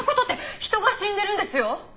人が死んでるんですよ！？